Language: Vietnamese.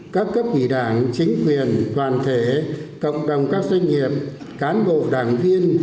các cấp ủy đảng chính quyền toàn thể cộng đồng các doanh nghiệp cán bộ đảng viên